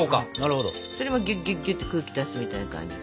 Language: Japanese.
それもぎゅっぎゅっぎゅっと空気出すみたいな感じで。